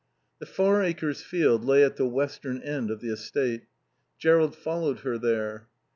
The Far Acres field lay at the western end of the estate. Jerrold followed her there.